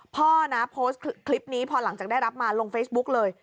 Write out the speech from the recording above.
พ่อนะโพสต์คลิปนี้พอหลังจากได้รับมาลงเฟซบุ๊กเลย